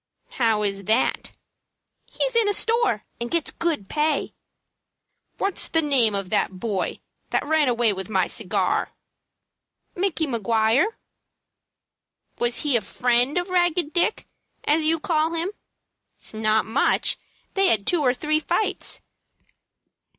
"How is that?" "He's in a store, and gets good pay." "What's the name of the boy that ran away with my cigar?" "Micky Maguire." "Was he a friend of Ragged Dick, as you call him?" "Not much. They had two or three fights."